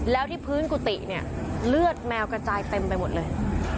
แล้วที่พื้นกุฏิเนี่ยเลือดแมวกระจายเต็มไปหมดเลย